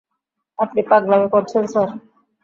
আপনি পাগলামি করছেন, স্যার!